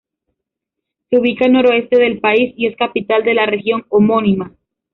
Se ubica al noreste del país y es capital de la región homónima.